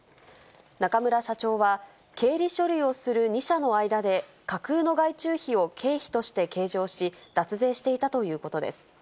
中村社長は、経理処理をする２社の間で、架空の外注費を経費として計上し、脱税していたということです。